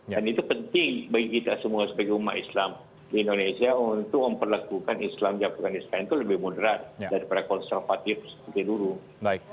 dan itu penting bagi kita semua sebagai umat islam di indonesia untuk memperlakukan islam yang bukan islam itu lebih moderat daripada konservatif seperti dulu